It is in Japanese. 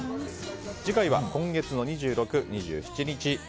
次回は今月の２６日、２７日。